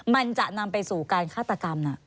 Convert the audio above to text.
มันจะนำไปสู่การฆาตกรรม